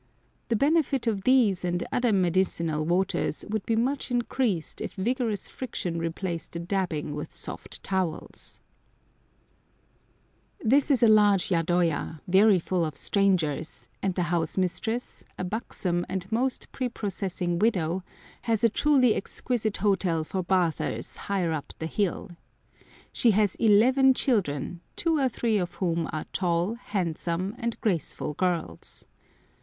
The benefit of these and other medicinal waters would be much increased if vigorous friction replaced the dabbing with soft towels. [Picture: The Belle of Kaminoyama] This is a large yadoya, very full of strangers, and the house mistress, a buxom and most prepossessing widow, has a truly exquisite hotel for bathers higher up the hill. She has eleven children, two or three of whom are tall, handsome, and graceful girls.